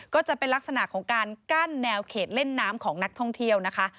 ก็จะเป็นลักษณะของการกั้นแนวเขตเล่นน้ำของนักท่องเที่ยวนะคะ